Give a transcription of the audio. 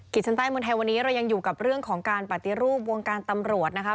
ชั้นใต้เมืองไทยวันนี้เรายังอยู่กับเรื่องของการปฏิรูปวงการตำรวจนะคะ